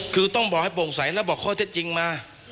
คือต้องบอกให้โปร่งใสแล้วบอกข้อเท็จจริงมา